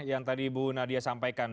yang tadi ibu nadia sampaikan